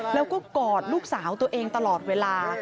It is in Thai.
แล้วก็กอดลูกสาวตัวเองตลอดเวลา